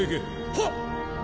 はっ！